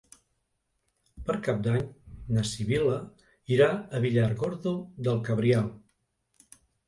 Per Cap d'Any na Sibil·la irà a Villargordo del Cabriel.